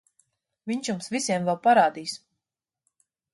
Viņš jums visiem vēl parādīs...